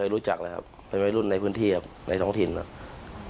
ไม่เคยรู้จักเลยครับไปไม่รู้ในพื้นที่ครับในท้องถิ่นตรงนั้นครับ